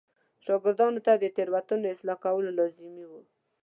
شاګردانو ته د تېروتنو اصلاح کول لازمي و.